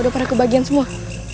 udah pada kebahagiaan semua